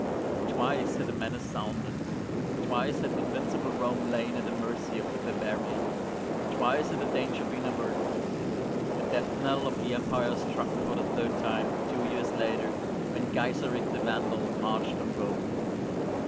Twice had the menace sounded; twice had invincible Rome lain at the mercy of the barbarian ; twice had the danger been averted. The death knell of the Empire struck for the third time two years later when Gaiseric the Vandal marched on Rome.